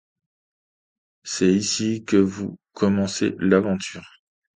C'est ici que vous commencez l'aventure.